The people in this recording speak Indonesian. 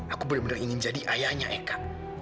aku benar benar ingin jadi ayahnya eka